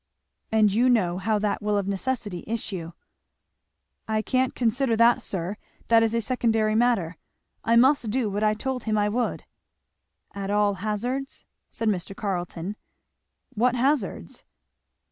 "And you know how that will of necessity issue." "I can't consider that, sir; that is a secondary matter. I must do what I told him I would." "At all hazards?" said Mr. Carleton. "What hazards?"